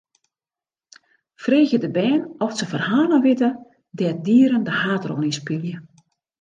Freegje de bern oft se ferhalen witte dêr't dieren de haadrol yn spylje.